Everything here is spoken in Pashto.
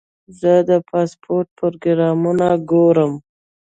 زه د سپورټ پروګرامونه ګورم.